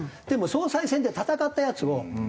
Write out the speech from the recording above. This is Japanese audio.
でも総裁選で戦ったヤツを。